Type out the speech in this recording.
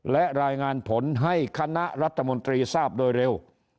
และรายงานผลให้คณะรัฐมนตรีทราบโดยเร็ว